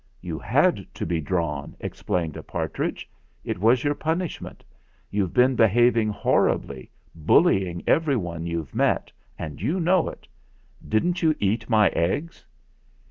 "You had to be drawn," explained a par tridge. "It was your punishment. You've been behaving horribly, bullying everyone you've met, and you know it. Didn't you eat my eggs?"